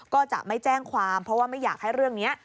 ก็จะไม่แจ้งความเพราะว่าไม่อยากให้เรื่องนี้